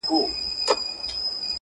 د بلوچستان ګلخانان دي